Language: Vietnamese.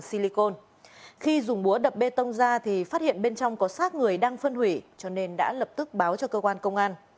xin chào các bạn